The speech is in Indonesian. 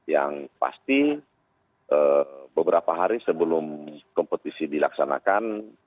yang pasti beberapa hari sebelum kompetisi dilaksanakan